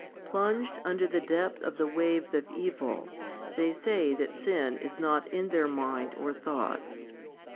Plunged under the depth of the waves of evil, they say that sin is not in their mind or thoughts.